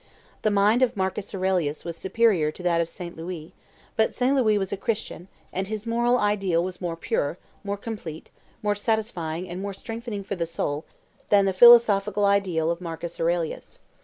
The mind of Marcus Aurelius was superior to that of Saint Louis; but Saint Louis was a Christian, and his moral ideal was more pure, more complete, more satisfying, and more strengthening for the soul than the philosophical ideal of Marcus Aurelius.